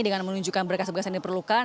dengan menunjukkan berkas berkas yang diperlukan